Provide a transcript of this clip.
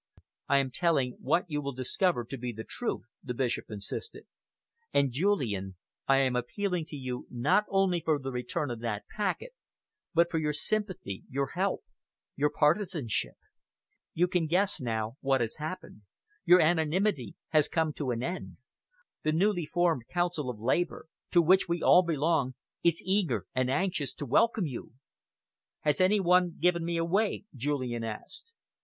"I am telling what you will discover yourself to be the truth," the Bishop insisted. "And, Julian, I am appealing to you not only for the return of that packet, but for your sympathy, your help, your partisanship. You can guess now what has happened. Your anonymity has come to an end. The newly formed Council of Labour, to which we all belong, is eager and anxious to welcome you." "Has any one given me away?" Julian asked.